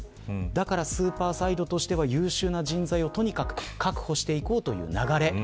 だからスーパーサイドとしては優秀な人材をとにかく確保していこうという流れ。